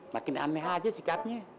makin aneh aja sikapnya